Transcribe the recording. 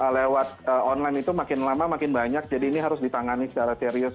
lewat online itu makin lama makin banyak jadi ini harus ditangani secara serius